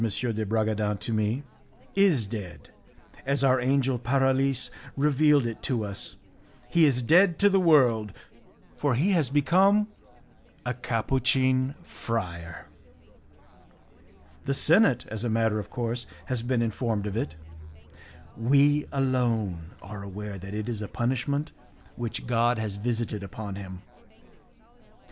de Bragadin to me, "is dead, as our angel Paralis revealed it to us; he is dead to the world, for he has become a Capuchin friar. The senate, as a matter of course, has been informed of it. We alone are aware that it is a punishment which God has visited upon him.